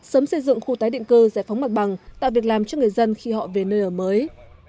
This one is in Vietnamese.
sớm xây dựng khu tái định cư giải phóng mặt bằng tạo việc làm cho người dân khi họ về nơi ở mới